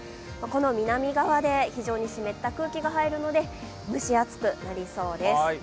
この南側で非常に湿った空気が入るので、蒸し暑くなりそうです。